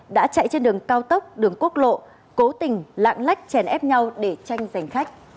đã chạy trên đường cao tốc đường quốc lộ cố tình lạng lách chèn ép nhau để tranh giành khách